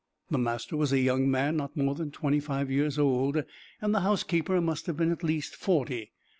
The master was a young man, not more than twenty five years old, and the housekeeper must have been at least forty.